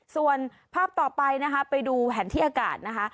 ส่วนภาพต่อไปนะคะไปดูแผนที่อากาศนะคะ